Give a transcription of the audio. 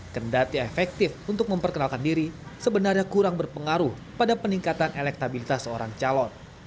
kendati efektif untuk memperkenalkan diri sebenarnya kurang berpengaruh pada peningkatan elektabilitas seorang calon